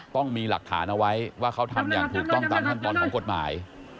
ต้องมีหลักฐานเอาไว้ว่าเขาทำอย่างถูกต้องตามขั้นตอนของกฎหมาย